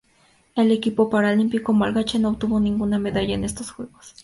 El equipo paralímpico malgache no obtuvo ninguna medalla en estos Juegos.